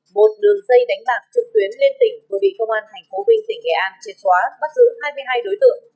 một đường dây đánh bạc trực tuyến lên tỉnh vừa bị công an thành phố bình tỉnh nghệ an chết xóa bắt giữ hai mươi hai đối tượng